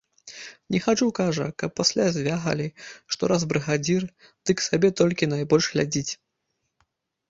Не хачу, кажа, каб пасля звягалі, што раз брыгадзір, дык сабе толькі найбольш глядзіць.